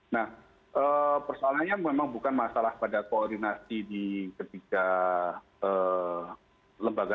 nah persoalannya memang bukan masalah pada koordinasi di ketiga lembaga